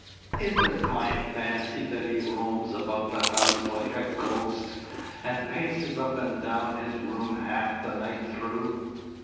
Is it my fancy that he roams about the house like a ghost, and paces up and down his room half the night through?